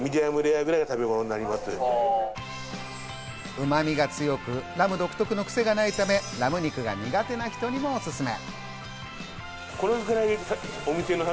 うまみが強く、ラム独特のクセがないため、ラム肉が苦手な人にもおすすめ。